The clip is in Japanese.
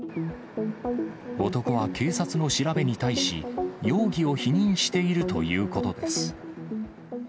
男は警察の調べに対し、容疑を否認しているということです。